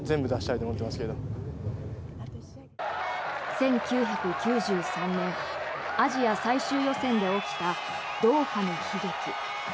１９９３年アジア最終予選で起きたドーハの悲劇。